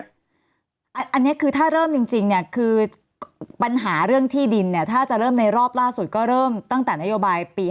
อันนี้คือถ้าเริ่มจริงเนี่ยคือปัญหาเรื่องที่ดินเนี่ยถ้าจะเริ่มในรอบล่าสุดก็เริ่มตั้งแต่นโยบายปี๒๕